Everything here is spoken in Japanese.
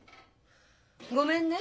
ごめんね。